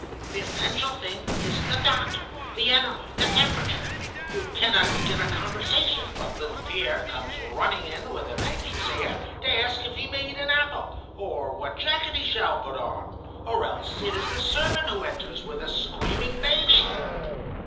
The essential thing is the doctor, the enema, the temperature. You cannot begin a conversation but little Pierre comes running in with an anxious air to ask if he may eat an apple, or what jacket he shall put on, or else it is the servant who enters with a screaming baby.